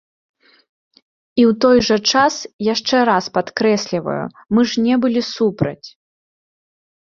І ў той жа час, яшчэ раз падкрэсліваю, мы ж не былі супраць.